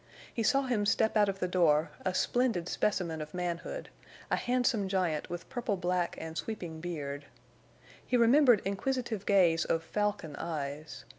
He saw him step out of the door, a splendid specimen of manhood, a handsome giant with purple black and sweeping beard. He remembered inquisitive gaze of falcon eyes.